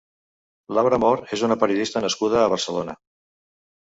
Laura Mor és una periodista nascuda a Barcelona.